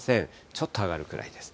ちょっと上がるくらいです。